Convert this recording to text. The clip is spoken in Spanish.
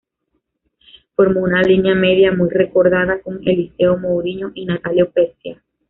Formó una línea media muy recordada con Eliseo Mouriño y Natalio Pescia.